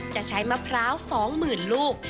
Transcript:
จะใช้มะพร้าว๒๐๐๐ลูก